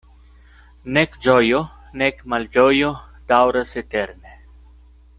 Nek ĝojo, nek malĝojo daŭras eterne.